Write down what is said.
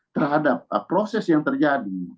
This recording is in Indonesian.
terhadap proses yang terjadi